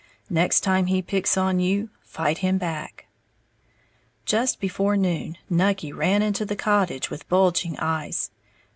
Next time he picks on you, fight him back." Just before noon, Nucky ran into the cottage with bulging eyes.